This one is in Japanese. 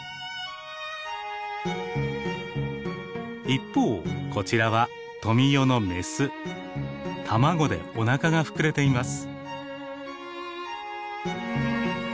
一方こちらは卵でおなかが膨れています。